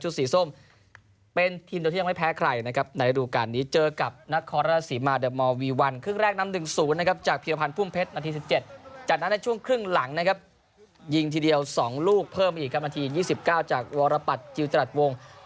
ชุดสีส้มเป็นทีมโดยที่ยังไม่แพ้ใครนะครับ